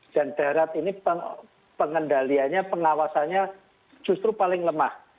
dan darat ini pengendalianya pengawasannya justru paling lemah